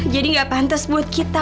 jadi gak pantas buat kita